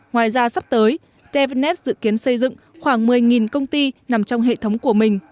ngoài ra sắp tới tevnet dự kiến xây dựng khoảng một mươi công ty nằm trong hệ thống của mình